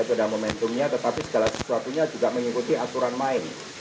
itu adalah momentumnya tetapi segala sesuatunya juga mengikuti aturan main